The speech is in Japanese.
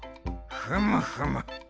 ふむふむ。